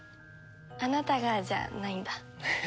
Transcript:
あなたがじゃないんだ。